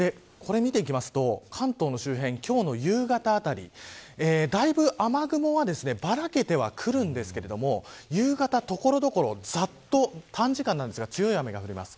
これを見ていくと関東の周辺、今日の夕方あたりだいぶ雨雲がばらけてはくるんですけど夕方、所々ざっと短時間なんですが強い雨になります。